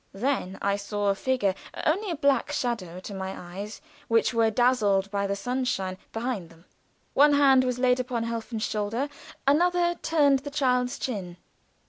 Then I saw a figure only a black shadow to my eyes which were dazzled by the sun come behind them. One hand was laid upon Helfen's shoulder, another turned the child's chin.